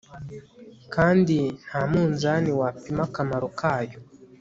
kandi nta munzani wapima akamaro kayo